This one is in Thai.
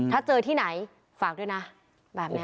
ถ้าเจอที่ไหนฝากด้วยนะแบบนี้